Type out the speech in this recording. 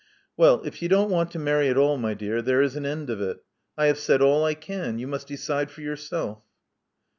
*'Well, if you don't want to marry at all, my dear, there is an end of it. I have said all I can. You must decide for yourself."